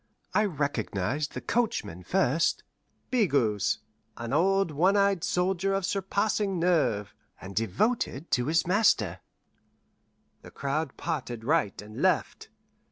I recognized the coachman first Bigot's, an old one eyed soldier of surpassing nerve, and devoted to his master. The crowd parted right and left.